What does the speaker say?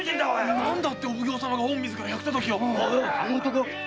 ⁉何でお奉行様が御自ら“百たたき”を？